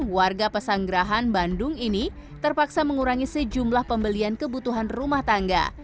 warga pesanggerahan bandung ini terpaksa mengurangi sejumlah pembelian kebutuhan rumah tangga